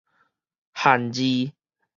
韓字